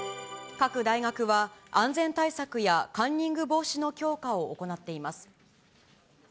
各大学は、安全対策やカンニング防止の強化を行っています。